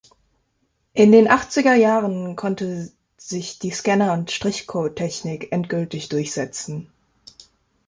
In den achtziger Jahren konnte sich die Scanner- und Strichcode-Technik endgültig durchsetzen.